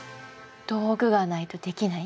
道具がないとできない？